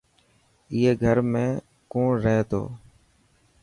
ائي گھر ۾ ڪون رهي ٿو.